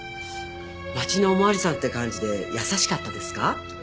町のおまわりさんって感じで優しかったですか？